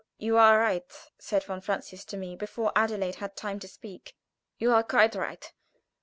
"You are right," said von Francius to me, before Adelaide had time to speak; "you are quite right."